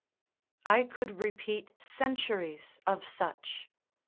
I could repeat centuries of such.